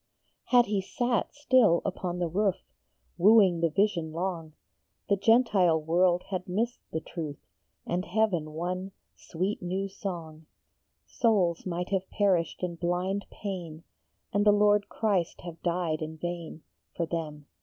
Had he sat still upon the roof, Wooing the vision long, The Gentile world had missed the truth, And Heaven one " sweet new song." Souls might have perished in blind pain, And the Lord Christ have died in vain For them.